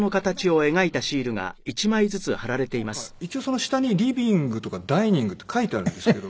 どこか一応その下にリビングとかダイニングって書いてあるんですけど。